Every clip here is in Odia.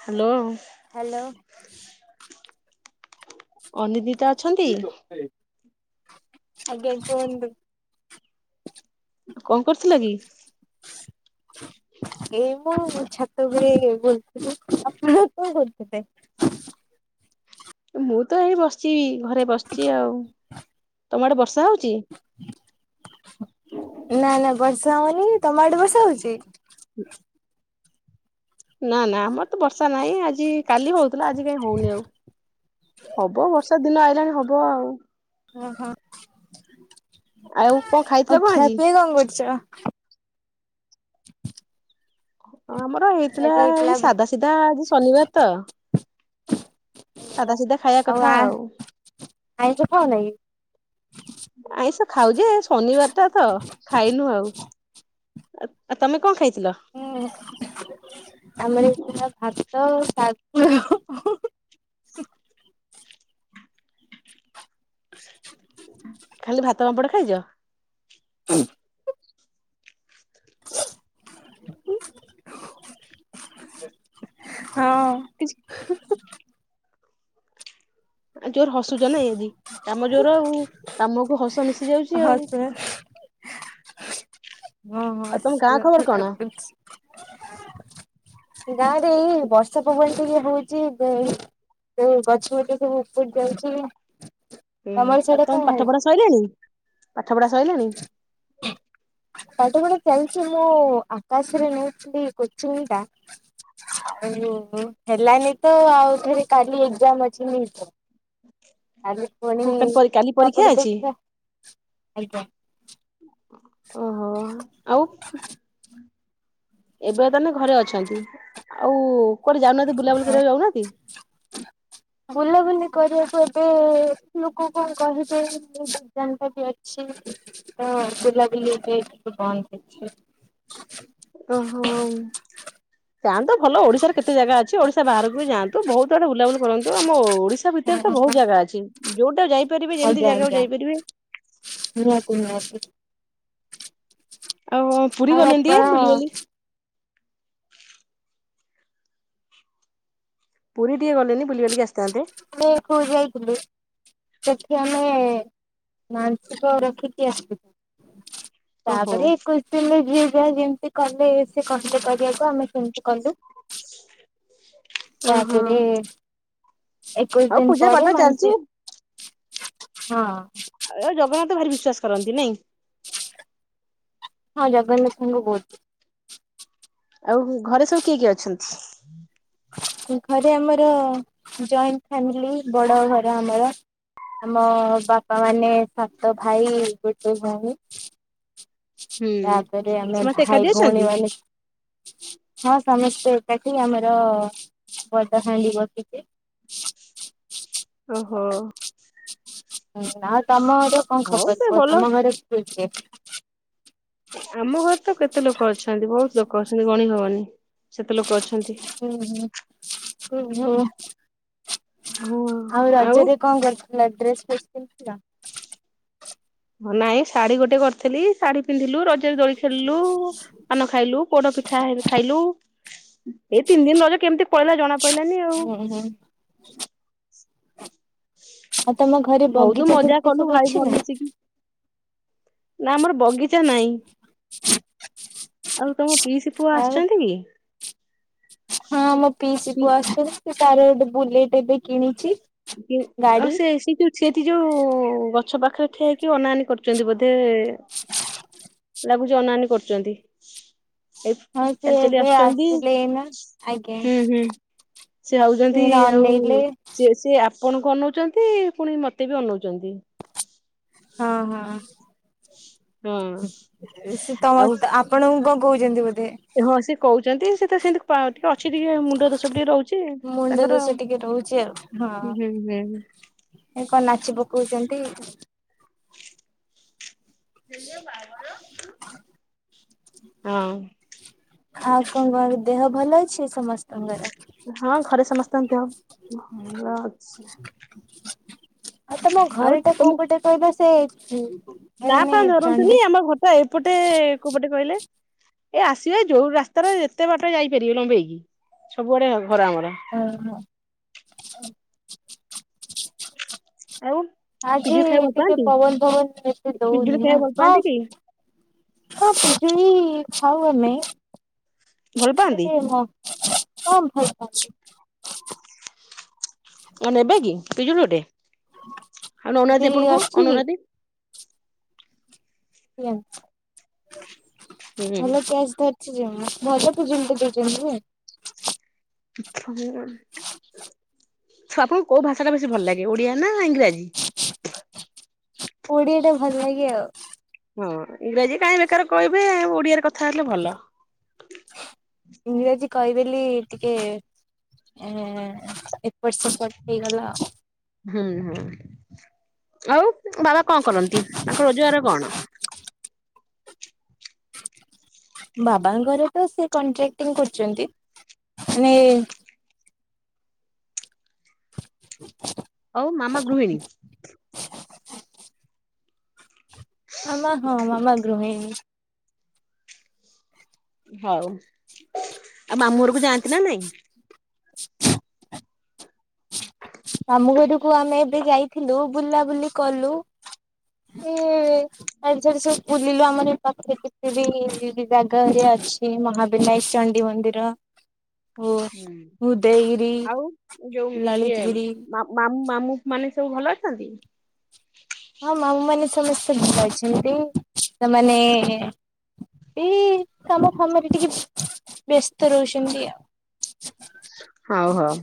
ହ୍ୟାଲୋ। ହ୍ୟାଲୋ ଅନିଦିତା ଅଛନ୍ତି? ଆଜ୍ଞା କହନ୍ତୁ। କଣ କରୁଥିଲ କି? [inaudible] ଏଇ ମୁଁ ଛାତ ଉପରେ ବଲୁଥିଲି ଆପଣ କଣ କରଥିଲେ? ମୁଁ ତ ଏଇ ବସଚି ଘରେ ବସଚି ଆଉ ତମ ଆଡେ ବର୍ଷା ହୋଉଚି? ନା ନା ବର୍ଷା ହୋଉନି ତମ ଆଡେ ବର୍ଷା ହୋଉଚି? ହୁଁ। ନା ନା ଆମର ତ ବର୍ଷା ନଇଁ ଆଜି କାଲି ହୋଉଥୁଲା ଆଜି କାଇଁ ହୋଉନି ଆଉ ହବ ବର୍ଷା ଦିନ ଆଇଲାଣି ହବ ଆଉ। ଓହୋ ଆଉ କଣ ଖାଇଥିଲ ଆଉ କଣ ଆଜି? ଖିଆପିଇ କଣ କରୁଚ? ଅଁ ଆମର ହେଇଥିଲା ଆଜି ଏଇ ଭା ସାଧା ସିଧା ଶନିବାର ତ। ସାଧା ସିଧା ଖାଇବା କଥା ଆଉ। ଆଇଁଷ ଖାଉନା କି? ଆଇଁଷ ଖାଉ ଯେ ଏ ଶନିବାରଟା ତ ଖାଇନୁ ଆଉ। ଆ ଆଉ ତମେ କଣ ଖାଇଥିଲ? ହୁଁ ଆମର ହେଇଥିଲା ଭାତ ଓ ଶାଗ ଖାଲି ଭାତ, ପାମ୍ପଡ ଖାଇଚ? ହୁଁ [unintelligible] ହଁ। କିଛି ଜୋର ହସୁଚ ନାଇଁ ଆଜି କାମ ଜୋର ଆଉ କାମକୁ ହସ ମିଶି ଯାଉଚି ଆଉ। ଆଁ? ହଁଁ ଆଉ ତମ ଗାଁ ହସ ଖବର ଲାଗ କଣ? ଲାଗୁଚି ଗାଁରେ ଏଇ ବର୍ ଷା ପବନ ଟିକେ ହୋଉଚି ଗ ଏଇ ଗଛ ହରିକା ସବୁ ଉପୁଡି ଯାଉଚି। ହୁଁ ଆଉ ତମ ପାଠପଢା ସଇଲାଣି ପାଠ ପଢା ସଇଲାଣି? କାଲିଠୁ ଗୋଟେ ଚାଲିଚି ମୁଁ ଆକାଶରେ ନୋଉଥୁଲି କୋଚିଂଟା ଆଉ ଏ ଯୋଉ ହେଲାନି ତ ଆଉଥରେ କାଲି ଏଗଜାମ ଅଛି ନିଟର ତାପରେ ପୁଣି ହଁ କାଲି ପରୀ କାଲି ପରୀକ୍ଷା ତାପରେ ଅଛି। ଦେଖିବା ଆଜ୍ଞା। ଓହୋ ଅହ ଆଉ? ଏବେ ଆଉ ତାନେ ଘରେ ଅଛନ୍ତି ଆଉ କୁଆଡେ ଯାଉନାହାନ୍ତି ବୁଲାବୁଲି କରିବାକୁ ଯାଉନାହାନ୍ତି? [inaudible] ବୁଲାବୁଲି କରିବାକୁ ଏବେ ଲୋକ କଣ କହିବେ ଏଗଜାମଟା ବି ଅ ଛି ତ ବୁଲାବୁଲି ଏବେ ଟିକେ ବନ୍ଦ ଅଛି। ଓହୋ। ତାହାନେ ତ ଭଲ ଓଡିଶାରେ କେତେ ଜାଗା ଅଛି ଓଡ଼ଶା ବାହାରକୁ ବି ଯାଆନ୍ତୁ ବୋହୁତ ଆଡେ ବୁଲାବୁଲି କରନ୍ତୁ ଆମ ଓଡି ଶା ଭିତରେ ତ ହଁ ବୋହୁତ ହଁ ଜାଗା ଅଛି ଯୋଉଟା ଯାଇ ଆଜ୍ଞା ଆଜ୍ଞା ନିହାତି ନିହାତି। ଆଉ ହଁ ପୁରୀ ଆଉ ଗଲେନି ଆପଣ ଟିକେ ବୁଲିବାଲି ଆମେ ପୁରୀ ଟିକେ ଗଲେନି ବୁଲବଲିକି ଆସିଥାଆନ୍ତେ। ଆମେ ପୁରୀ ଯାଇଥିଲୁ। ସେଠି ଆମେ ମାନସିକ ରଖିକି ଆସିଲୁ। ଓହୋ। ତାପରେ ଏକୋଇଶି ଦିନି ଯିଏ ଯାହା ଯେମତି କଲେ ସେ କହିଲେ କରିବାକୁ ଆମେ ସେମ କଲୁ ଓହୋ ତାପରେ ଏକୋଇଶ ଆଉ ଦିନ ପୂଜା ପାଠ ପରେ ଚାଲିଛି ମାନସି ହଁ। ଏ ଆଉ ଜଗନ୍ନାଥ ଭାରି ବିଶ୍ୱାସ କରନ୍ତି ନାଇଁ? ହଁ ଜଗନ୍ନାଥଙ୍କୁ ବୋହୁତ। ଆଉ ହୋଉ ଘରେ ସବୁ କିଏ କିଏ ଅଛନ୍ତି? ଘରେ ଆମର ଜଏଣ୍ଟ ଫ୍ୟାମିଲି ବଡ ଘର ଆମର। ଆମ ବାପାମାନେ ସାତ ଭାଇ ଗୋଟେ ଭୋଉଣୀ। ହୁଁ ତାପରେ ଆମେ ସମସ୍ତେ ଭାଇ ଏକାଠି ଅଛନ୍ତି ଭୋଉଣୀମାନେ ହଁ ସମସ୍ତେ ଏକାଠି ଆମର ବଡ ହାଣ୍ଡି ବସୁଚି। ଓହୋ। ଆଉ ତମ ଘରେ କଣ ହଉ ଖବର ସେ କୁହ ଭଲ ତମ ଘରେ କିଛ ଆମ ଘରେ ତ କେତେ ଲୋକ ଅଛନ୍ତି ବହୁତ ଲୋକ ଅଛନ୍ତି ଗଣୀ ହବନି ସେତେ ଲୋକ ଅଛନ୍ତି। ହୁଁ ହୁଁ [inaudible] [inaudible] ଆଉ ରଜରେ କଣ କରିଥିଲ ଡ୍ରେସ୍ ଫ୍ରେସ୍ ପିନ୍ଧିଥିଲ? ନାଇଁ ଶାଢ଼ୀ ଗୋଟେ କରିଥିଲି। ଶାଢୀ ପିନ୍ଧିଲୁ ରଜରେ ଦୋଳି ଖେଳିଲୁ ପାନ ଖାଇଲୁ ପୋଡପିଠା ହେର ଖାଇଲୁ। ଏଇ ତିନି ଦିନ୍ ରଜ କେମିତି ପହିଲା ଜଣା ପଡିଲାନି ଆଉ। ହୁଁ ହୁଁ। ଆଉ ତମ ଘରେ ବହୁତ ବଗିଚା ମଜା [inaudible] କଲୁ ସବୁ ଭାଇ ଅଛି ଭଉଣୀ ନା? ମିଶିକି ନା ଆମର ବଗିଚା ନାହିଁ। ହ ଆଉ ତମ ପିଇସି ପୁଅ ଆସିଛନ୍ତି କି? ହଁ ମୋ ପିଇସି ପୁଅ ଆସଛନ୍ତି ତାର ଗୋଟେ ବୁଲେଟ ଏବେ କିଣିଛି। ଅ ଗାଡି। ସେ ଏସି କ୍ୟୁ ସେଠି ଯୋଉ ଗଛ ପାଖରେ ଠିଆହେଇକି ଅନାଅନି କରୁଚନ୍ତି ବୋଧେ। ଲାଗୁଛି ଅନାଅନି କରୁଚନ୍ତି। ଏ ହଁ ସେ ଚାଲି ଚାଲି ଏବେ ଆସୁଚନ୍ତି ଆସିଲେ ଏଇନା ଆଜ୍ଞା ହୁଁ ହୁଁ। ସେ ଭାଉଛନ୍ତି ଏଇନା ଆଉ ଅନେଇଲେ। ସେ ଆପଣଙ୍କୁ ଅନଉଚନ୍ତି ପୁଣି ମତେ ବି ଅନଉଚନ୍ତି। ହଁ ହଁ ହଁ ସେ ତମ ଆଉ ଆପ ଆପଣଙ୍କୁ କଣ କହୁଚନ୍ତି ବୋଧେ? ହଁ ସେ କହୁଚନ୍ତି ସେ ତ ସେମିତି ପା ଅଛି ଟିକେ ମୁଣ୍ଡ ଦୋଷ ବି ଟିକେ ରହୁଛି ମୁଣ୍ଡ ତାଙ୍କର ଦୋଷ ଟିକେ ରହୁଛି ଆଉ। ହୁଁ ହଁ ହୁଁ। ଏ କଣ ନାଚି ପକଉଚନ୍ତି। [inaudible] ହଁ। ଖା କଣଣ ଦେହ ଭଲ ଅଛି ସମସ୍ତଙ୍କର? ହଁ ଘରେ ସମସ୍ତଙ୍କ ଦେହ ଭଲ ଅଛି। ତମ ଆଉ ଘରଟା ତମ କୋଉ ପଟେ ତ ଏବେ ସେ ନା ମାନେ ପାହାଁ ଧରନ୍ତୁନି ଚଣ୍ଡି ଆମ ଘଟା ଏପଟେ କୋଉ ପଟେ କହିଲେ? ଏ ଆସିବେ ଯୋଉ ରାସ୍ତାରେ ଯେତେ ବାଟ ଯାଇପାରିବେ ଲମ୍ବେଇକି ସବୁଆଡେ ଘର ଆମର। ହଁ ହଁ। ଆଉ? ଆଜି ପିଜୁଳି ଖାଇବାକୁ ଭଲ ଟିକେ ପାଆନ୍ତି ପବନ ଫବନ ଏତେ ପିଜୁଳି ଦଉନି ଖାଇବାକୁ ଭଲ ନା? ପାଆନ୍ତି କି? ହଁ ପିଜୁଳି ଖାଉ ଆମେ ଭଲ ଏଟା ପାଆନ୍ତି ଟି ହଁ ଭଲ ପାଆନ୍ତି। ନେବେ କି ପିଜୁଳି ଗୋଟେ? ଅନଉନାହାନ୍ତି ପିଜୁଳି ଏପଟକୁ ଅଛି କି? ଅନଉନାହାନ୍ତି। [inaudible] ହୁଁ। ଭଲ କ୍ୟାଚ୍ ଧରିଚି ଯେ ମୁଁ। ମଜା [inaudible] ଦେଇଛନ୍ତି ଯେ। [inaudible] ତମକୁ କୋଉ ଭାଷା ଟା ବେଶୀ ଭଲ ଲାଗେ ଓଡିଆ ନା ଇଂରାଜୀ? ଓଡିଆ ଟା ଭଲ ଲାଗେ ଆଉ। ହଁ ଇଂରାଜୀ କାହିଁ ବେକାରେ କହିବେ ଓଡିଆରେ କଥା ହେଲେ ଭଲ। ଇଂରାଜୀ କହିଦେଲି ଟିକେ ଏଁ ଏପଟ୍ ସେପଟ୍ ହେଇଗଲା ଆଉ। ହୁଁ ହୁଁ ଆଉ ବାବା କଣ କରନ୍ତି ତାଙ୍କ ରୋଜଗାର କଣ? ବାବାଙ୍କର ତ ସେ କଣ୍ଟ୍ରାକ୍ଟିଂ କରୁଛନ୍ତି ମାନେ [inaudible] ହଉ ମାମା ଗୃହିଣୀ? ମାମା ହଁ ମାମା ଗୃଇଙ୍ଗ। ହଉ ଆଉ ମାମୁଁ ଘରକୁ ଯାଆନ୍ତି ନା ନାଇଁ? ମାମୁଁ ଘରକୁ ଆମେ ଏବେ ଯାଇଥିଲୁ ବୁଲାବୁଲି କଲୁ। ହୁଁ ଆଉ ସିଆଡେ ସବୁ ବୁଲିଲୁ ଆମର ଏ ପାଖରେ କେତେ ବି ଜାଗା ହେରିଆ ଅଛି ମହା ବିନାଇଚଣ୍ଡୀ ମନ୍ଦିର ଓ ହୁଁ ଉଦୟଗିରି। ଆଉ ଯୋଉ ଇଏ ଲଳିତଗିରି ମା ମାମୁଁ ମାନେ ସବୁ ଭଲ ଅଛନ୍ତି? ହଁ ମାମୁ ମାନେ ସମସ୍ତେ ଭଲ ଅଛନ୍ତି ସେମାନେ। ଏଇ କାମ ଫାମରେ ଟିକେ ବ୍ୟସ୍ତ ରହୁଛନ୍ତି ଆଉ। ହଉ ହଉ।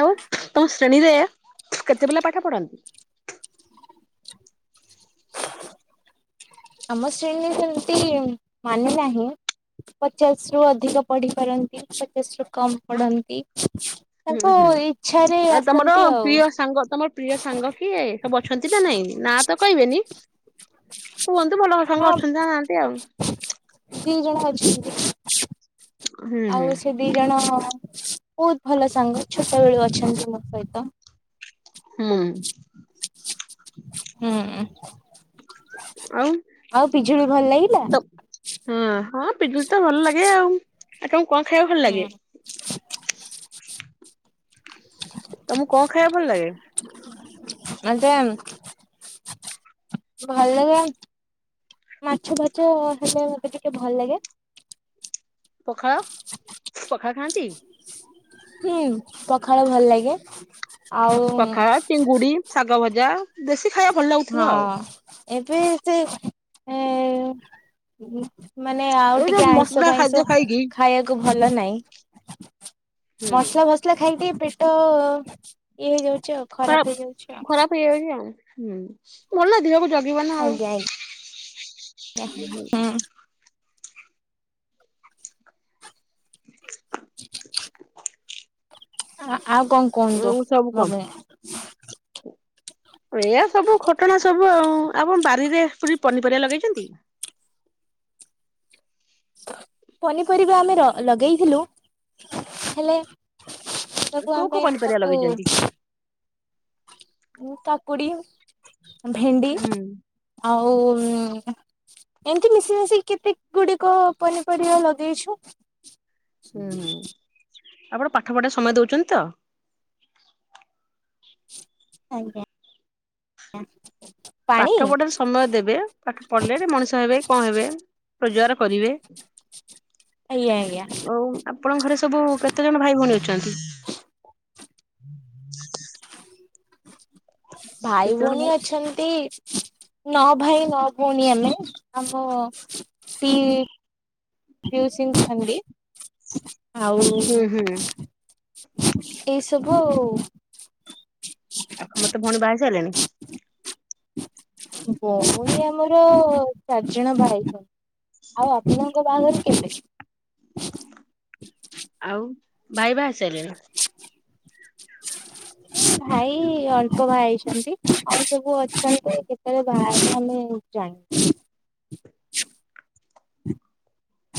ଆଉ ତମ ଶ୍ରେଣୀରେ କେତେପିଲା ପାଠ ପଢନ୍ତି? ଆମ ଶ୍ରେଣୀ ସେମିତି ମାନେ ନାହିଁ। ପଚାଶ ରୁ ଅଧିକ ପଢିପାରନ୍ତି ପଚାଶ ରୁ କମ ପଢନ୍ତି। ତାଙ୍କ ହୁଁ ହୁଁ ଇଚ୍ଛାରେ ଆଉ ତମର ଆସନ୍ତି ଆଉ ପ୍ରିୟ ସାଙ୍ଗ ତମ ପ୍ରିୟ ସାଙ୍ଗ କିଏ ସବୁ ଅଛନ୍ତି ନା ନାଇଁ ନା ତ କହିବେନି। କୁହନ୍ତୁ ଭଲ ଭଲ ସାଙ୍ଗ ହଁ ଅଛନ୍ତି ନା ନାହାନ୍ତି ଆଉ। ଦି ଜଣ ଅଛନ୍ତି। ହୁଁ ହୁଁ ଆଉ ସେ ଦି ଜଣ ବହୁତ ଭଲ ସାଙ୍ଗ ଛୋଟ ବେଳୁ ଅଛନ୍ତି ମୋ ସହିତ। ହୁଁ। ହୁଁ ଆଉ ଆଉ ପିଜୁଳି ଭଲ ଲାଗିଲା। ତ ହଁ ହଁ ପିଜୁଳି ତ ଭଲ ଲାଗେ ଆଉ, ଆପଣଙ୍କୁ କଣ ଖାଇବାକୁ ଭଲ ଲାଗେ? ହୁଁ ତମକୁ କଣ ଖାଇବା ଭଲ ଲାଗେ? ମତେମ୍ ଭଲ ଲାଗେ ମାଛ ଫାଛ ହେଲେ ମତେ ଟିକିଏ ଭଲ ଲାଗେ। ପଖାଳ ପଖାଳ ଖାଆନ୍ତି? ହୁଁ ପଖାଳ ଭଲ ଲାଗେ। ଆଉ ପଖାଳ ଟିଙ୍ଗୁଡି ଶାଗ ଭଜା ଦେଶୀ ଖାଇବା ଭ ହଁ ଏବେ ସେ ଏଁ ମାନେ ଆଉ ଏଇ ଯୋଉ ଟିକେ ଆଇଁଷ ମସଲା ଖାଦ୍ୟ ଫାଇଁଷ ଖାଇକି ଖାଇବାକୁ ଭଲ ନାହିଁ। ହୁଁ। [unintelligible] ଖାଇ ପି ପେଟ ଇଏ ହେଇଯାଉଚି ଆଉ। ହେଇଯାଉଛି ଆଉ। ଖରାପ ଖରାପ ହେଇଯାଉଛି ଆଉ ହୁଁ ଭଲ ଦିହକୁ ଯ ଯଗିବ ନା ଆଉ। ଆଜ୍ଞା ଆଜ୍ଞା ହୁଁ [inaudible] ଆ ଆଉ କ ଆଉ ସବୁ କମ୍। ଏଆ ସବୁ ଖଟଣା ସବୁ ଆଉ ଆପଣ ବାରିରେ [unintelligible] ପନିପରିବା ଲଗେଇଛନ୍ତି? ପନିପରିବା ଆମେ ଲଗେଇଥିଲୁ ହେଲେ। ସବୁ କୋଉ କୋଉ ଆମେ ପନିପରିବା ତାକୁ। ଲଗେଇଛନ୍ତି? କାକୁଡି ଭେଣ୍ଡି ହୁଁ ଆଉ। ଏମିତି ମିଶେଇ ମାଶିକି କେତେ ଗୁଡିକ ପନିପରିବା ଲଗେଇଛୁ। ହୁଁ ହୁଁ ଆପଣ ପାଠ ପଢା ସମୟ ଦଉଛନ୍ତି ତ? ଆଜ୍ଞା। ପାଣି ପାଠ ପଢାରେ ସମୟ ଦେବେ ପାଠ ପଢିଲେ ମଣିଷ ହେବେ କଣ ହେବେ ରୋଜଗାର କରିବେ। ଆଜ୍ଞା ଆଜ୍ଞା। ଆଉ ଆପଣଙ୍କ ଘରେ ସବୁ କେତେ ଜଣ ଭାଇ ଭଉଣୀ ଅଛନ୍ତି? ଭାଇ କେତେ ଜଣ ଭଉଣୀ ଅଛନ୍ତି। ନ ଭାଇ ନ ଭଉଣୀ ଆମେ ଆମ ସି ପିଉସୀ [unintelligible] ଆଉ ହୁଁ ହୁଁ। ଏସବୁ ଆଉ। ଆଖା ମତେ ଭଉଣୀ ବାି ସାରିଲଣି ଭଉଣୀ ଆମର ଚାରିଜଣ ଭାଇଛନ୍ତି ଆଉ ଆପଣଙ୍କ ବାହାଘର କେବେ? ଆଉ ଭାଇ ବା ଆସାରିଲେଣି ହ ଭାଇ ଅଳ୍ପ ବାହା ହେଇଛନ୍ତି ଆଉ ସବୁ ଅଛନ୍ତି କେତେବେଳେ ବା ଆମେ ଜାଣ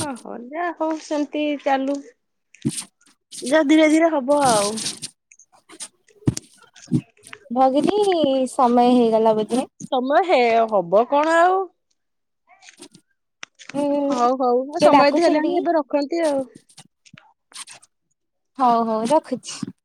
ଓହ ଯା ହଉ ସେମିତି ଚାଲୁ ଯ ଧୀରେ ଧୀରେ ହବ ଆଉ ଭଗିନୀ ସମୟ ହେଇଗଲା ବୋଧେ ସମୟ ହେ ହବ କଣ ଆଉ ହଁ ହଉ ହଉ ଆଉ ସମୟ ବି ଡାକୁଛନ୍ତି ହେଲାଣି ଏବେ ରଖନ୍ତି ଆଉ ହଉ ହଉ ରଖୁଛି।